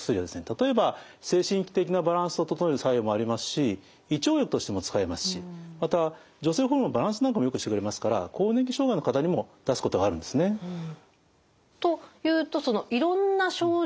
例えば精神的なバランスを整える作用もありますし胃腸薬としても使えますしまた女性ホルモンのバランスなんかもよくしてくれますから更年期障害の方にも出すことがあるんですね。というといろんな症状に効果がある？